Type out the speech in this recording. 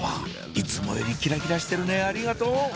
いつもよりキラキラしてるねありがとう！